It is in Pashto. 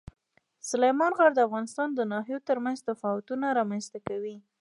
سلیمان غر د افغانستان د ناحیو ترمنځ تفاوتونه رامنځ ته کوي.